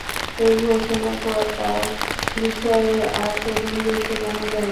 এই ঘোষণার পর তার বিষয়ে আর তেমন কিছু জানা যায়নি।